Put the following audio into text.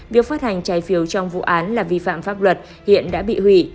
việc phát hành trái phiếu trong vụ án là vi phạm pháp luật hiện đã bị hủy